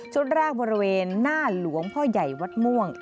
แรกบริเวณหน้าหลวงพ่อใหญ่วัดม่วง